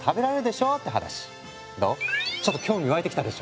ちょっと興味湧いてきたでしょ。